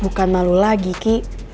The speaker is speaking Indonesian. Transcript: bukan malu lagi ki